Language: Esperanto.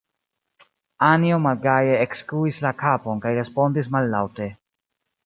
Anjo malgaje ekskuis la kapon kaj respondis mallaŭte: